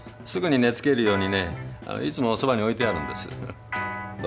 すぐに寝つけるようにねいつもそばに置いてあるんです。